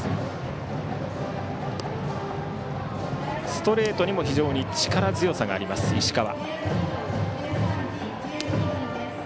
ストレートにも非常に力強さがある石川。